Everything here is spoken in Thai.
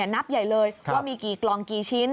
นับใหญ่เลยว่ามีกี่กล่องกี่ชิ้น